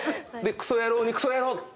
クソ野郎にクソ野郎って送った。